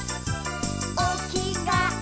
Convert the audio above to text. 「おきがえ